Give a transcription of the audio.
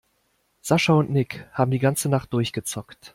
Sascha und Nick haben die ganze Nacht durchgezockt.